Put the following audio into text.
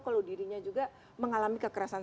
kalau dirinya juga mengalami kekerasan